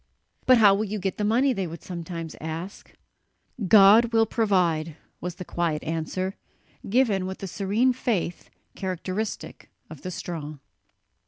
"But how will you get the money?" they would sometimes ask. "God will provide," was the quiet answer, given with the serene faith characteristic of the strong.